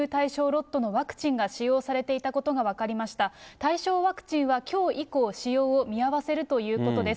対象ワクチンはきょう以降、使用を見合わせるということです。